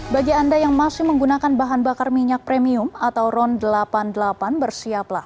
bagi anda yang masih menggunakan bahan bakar minyak premium atau ron delapan puluh delapan bersiaplah